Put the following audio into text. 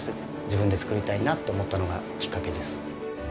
自分で作りたいなと思ったのがきっかけです。